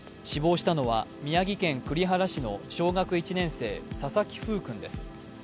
死亡したのは、宮城県栗原市の小学１年生、佐々木楓君です。